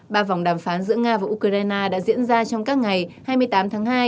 ba vòng đàm phán giữa nga và ukraine đã diễn ra trong các ngày hai mươi tám tháng hai